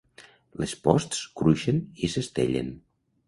Les posts cruixen i s'estellen.